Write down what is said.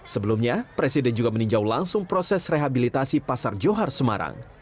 sebelumnya presiden juga meninjau langsung proses rehabilitasi pasar johar semarang